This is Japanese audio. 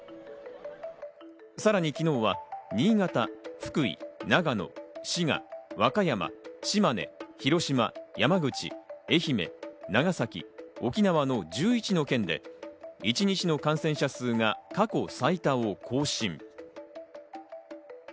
さらに昨日は新潟、福井、長野、滋賀、和歌山、島根、広島、山口、愛媛、長崎、沖縄の１１の県で、一日の感染者数が過去最多を更新。